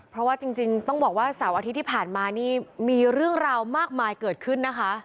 เพราะว่าจริงต้องบอกว่าเสาร์อาทิตย์ที่ผ่านมานี่มีเรื่องราวมากมายเกิดขึ้นนะคะ